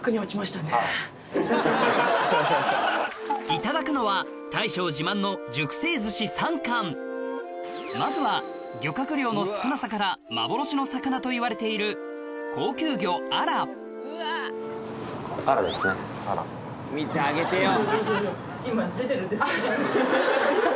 いただくのはまずは漁獲量の少なさから幻の魚といわれている高級魚アラ見てあげてよ。